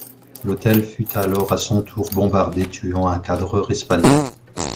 L'hôtel fut alors à son tour bombardé tuant un cadreur espagnol.